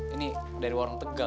ini dari warung tegal